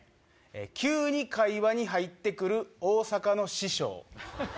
急に会話に入ってくる大阪の師匠。